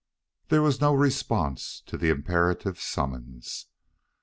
There was no response to the imperative summons.